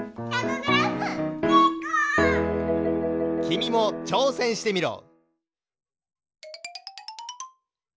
きみもちょうせんしてみろ！